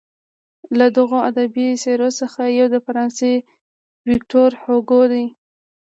له دغو ادبي څیرو څخه یو د فرانسې ویکتور هوګو دی.